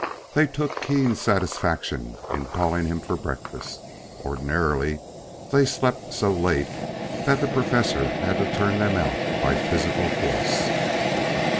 They took keen satisfaction in calling him for breakfast. Ordinarily they slept so late that the Professor had to turn them out by physical force.